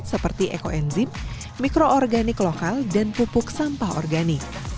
seperti ekoenzim mikroorganik lokal dan pupuk sampah organik